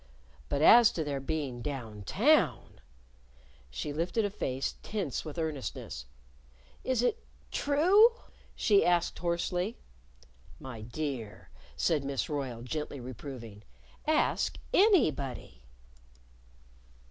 But as to their being Down Town ! She lifted a face tense with earnestness "Is it true?" she asked hoarsely. "My dear," said Miss Royle, gently reproving, "ask _any_body."